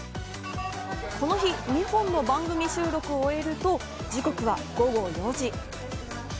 この日、２本の番組収録を終えると、時刻は午後４時。